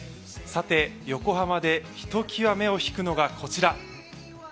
さて、横浜でひときわ目を引くのが、こちら。